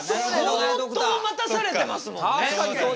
相当待たされてますもんね。